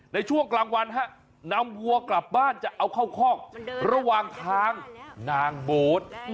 ในช่วงกลางวันนำวัวกลับบ้านจะเอาเข้าคอกระหว่างทางนางโบ๊ท